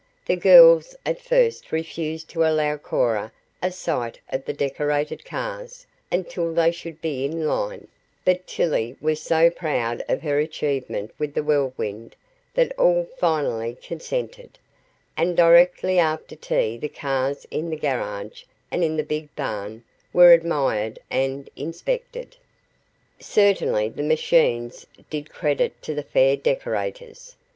The girls at first refused to allow Cora a sight of the decorated cars until they should be in line, but Tillie was so proud of her achievement with the Whirlwind that all finally consented, and directly after tea the cars in the garage and in the big barn were admired and inspected. Certainly the machines did credit to the fair decorators.